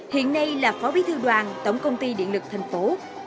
hiện nay là phó bí thư đoàn tổng công ty điện lực thành phố